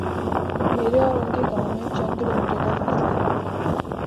میرے اور ان کے گاؤں میں چند کلو میٹرکا فاصلہ ہے۔